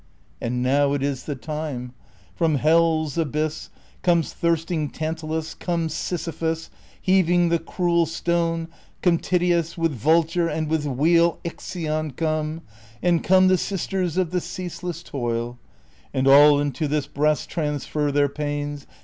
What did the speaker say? And noAV it is the time ; from Hell's abyss Come thirsting Tantalus, come Sisyphus Heaving the cruel stone, come Tityus With vulture, and with wheel Ixion come, And come the sisters of the ceaseless toil ; And all into this breast transfer their pains.